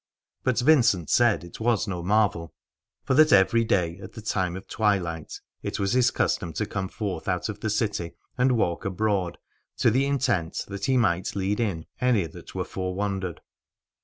But Vincent said that it was no marvel : for that every day at the time of twilight it was his custom to come forth out of the city and walk abroad, to the intent that he might lead in any that were forwandered.